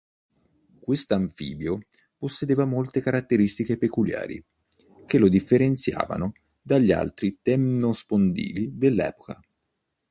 Questo anfibio possedeva molte caratteristiche peculiari, che lo differenziavano dagli altri temnospondili dell'epoca.